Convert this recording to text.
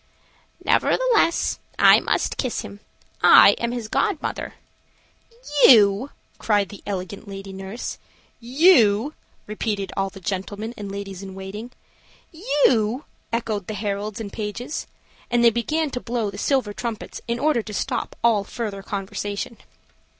"Nevertheless I must kiss him. I am his god mother." "You!" cried the elegant lady nurse. "You!" repeated all the gentlemen and ladies in waiting. "You!" echoed the heralds and pages and they began to blow the silver trumpets in order to stop all further conversation.